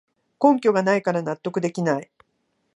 根拠がないから納得できない